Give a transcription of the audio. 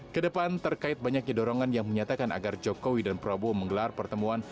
kedepan terkait banyaknya dorongan yang menyatakan agar jokowi dan prabowo menggelar pertemuan